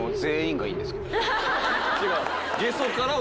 違う。